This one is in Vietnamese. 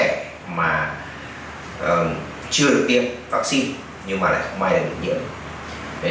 nhưng mà chưa được tiêm vaccine nhưng mà lại không ai được nhiễm